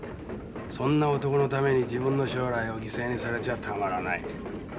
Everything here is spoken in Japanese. そんな男のために自分の将来を犠牲にされちゃたまらない。